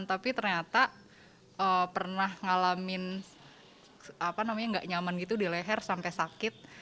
tapi ternyata pernah ngalamin apa namanya gak nyaman gitu di leher sampai sakit